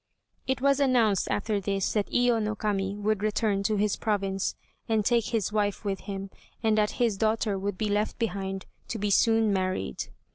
It was announced after this that Iyo no Kami would return to his province, and take his wife with him, and that his daughter would be left behind to be soon married.